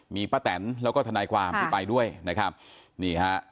มีป้าแตนแล้วก็ทนายความที่ไปด้วยนะครับนี่ฮะ